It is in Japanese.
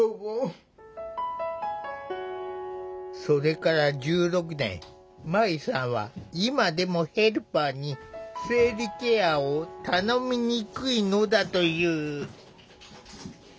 それから１６年まいさんは今でもヘルパーに生理ケアを頼みにくいのだという。